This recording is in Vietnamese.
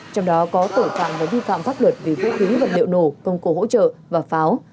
trong đó có tội phạm và vi phạm pháp luật về vũ khí vật liệu nổ công cụ hỗ trợ và pháo